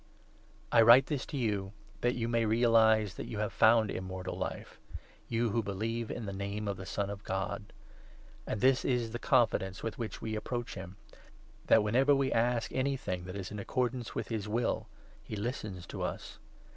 I write this to you, that you may realize that 13 '°*< you have found Immortal Life — you who believe in the Name of the Son of God. And this is the confidence 14 with which we approach him, that whenever we ask anything that is in accordance with his will, he listens to us.